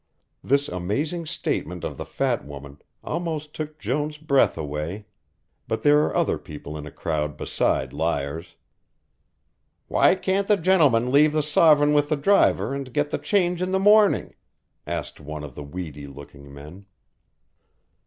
This amazing statement of the fat woman almost took Jones' breath away. But there are other people in a crowd beside liars. "Why can't the gentleman leave the sovereign with the driver and get the change in the morning?" asked one of the weedy looking men.